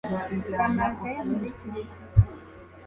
bamaze muri kiliziya